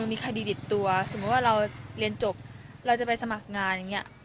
มีคดีติดตัวสมมุติว่าเราเรียนจบเราจะไปสมัครงานอย่างนี้